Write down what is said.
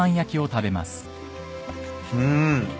うん。